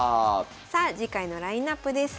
さあ次回のラインナップです。